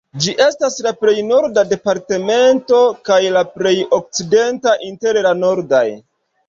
Ĝi estas la plej norda departemento kaj la plej okcidenta inter la nordaj.